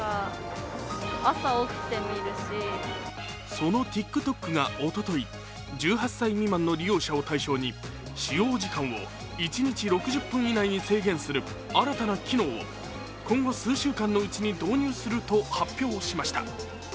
そのＴｉｋＴｏｋがおととい、１８歳未満の利用者を対象に使用時間を一日６０分以内に制限する新たな機能を今後数週間のうちに導入すると発表しました。